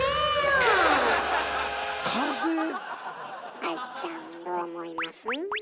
愛ちゃんどう思います？